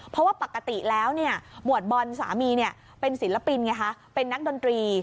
เพราะว่าปกติแล้วหมวดบอลสามีเป็นศิลปินไงคะเป็นนักดนตรี